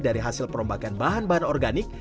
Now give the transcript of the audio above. dari hasil perombakan bahan bahan organik